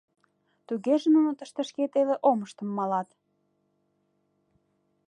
Тугеже нуно тыште шке теле омыштым малат!